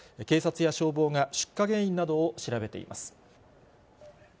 警察や消防が出火原因などを調べています。